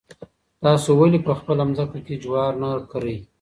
تاسو ولې په خپله ځمکه کې جوار نه کرئ؟